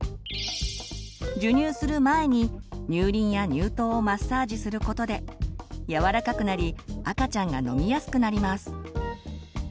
授乳する前に乳輪や乳頭をマッサージすることで柔らかくなり赤ちゃんが飲みやすくなります。